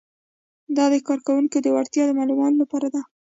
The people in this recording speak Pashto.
دا د کارکوونکي د وړتیا معلومولو لپاره ده.